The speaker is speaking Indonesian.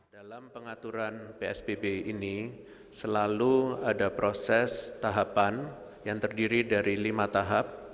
dalam pengaturan psbb ini selalu ada proses tahapan yang terdiri dari lima tahap